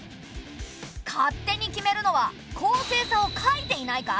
勝手に決めるのは公正さを欠いていないか？